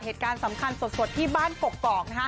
เหตุการณ์สำคัญสดที่บ้านกกอก